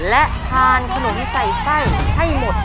และทานขนมใส่ไส้ให้หมด